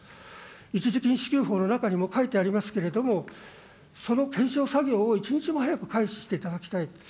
一時金支給法の中にも書いてありますけれども、その検証作業を一日も早く開始していただきたい。